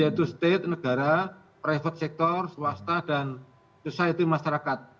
yaitu state negara private sector swasta dan society masyarakat